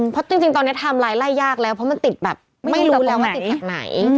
เพราะจริงตอนนี้ไทม์ไลน์ไล่ยากแล้วเพราะมันติดแบบไม่รู้แล้วว่าติดจากไหน